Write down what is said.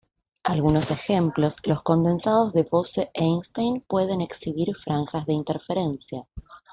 Algunos ejemplos: los condensados de Bose–Einstein pueden exhibir franjas de interferencia.